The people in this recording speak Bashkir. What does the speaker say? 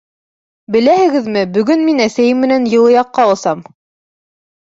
— Беләһегеҙме, бөгөн мин әсәйем менән йылы яҡҡа осам.